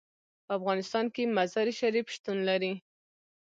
په افغانستان کې مزارشریف شتون لري.